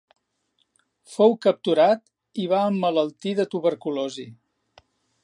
Fou capturat i va emmalaltir de tuberculosi.